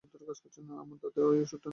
আমার দাদা এই অষুধটা দিতেন।